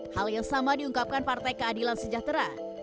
hal yang sama diungkapkan partai keadilan sejahtera